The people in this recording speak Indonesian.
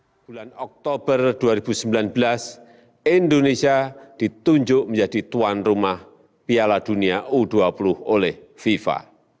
pada bulan oktober dua ribu sembilan belas indonesia ditunjuk menjadi tuan rumah piala dunia u dua puluh oleh fifa